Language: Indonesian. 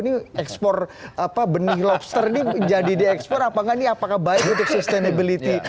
ini ekspor benih lobster ini jadi di ekspor apa nggak ini apakah baik untuk sustainability